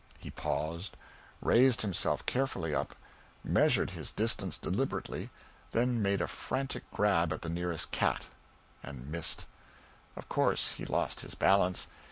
He paused, raised himself carefully up, measured his distance deliberately, then made a frantic grab at the nearest cat and missed. Of course he lost his balance.